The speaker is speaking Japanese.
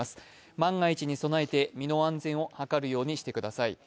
万が一に備えて身の安全を図るようにしてください。